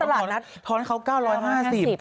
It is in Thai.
คือถ้าตลาดนั้นท้อนเขา๙๕๐บาท